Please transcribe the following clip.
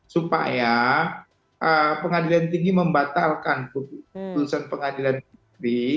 supaya pengadilan tinggi membatalkan putusan pengadilan negeri